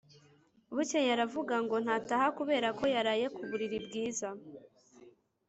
bukeye aravuga ngo ntataha kubera ko yaraye ku buriri bwiza,